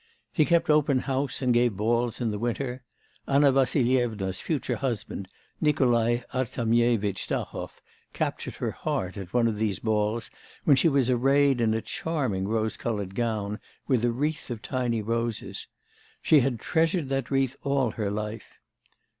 He kept open house, and gave balls in the winter. Anna Vassilyevna's future husband, Nikolai Artemyevitch Stahov, captured her heart at one of these balls when she was arrayed in a charming rose coloured gown, with a wreath of tiny roses. She had treasured that wreath all her life.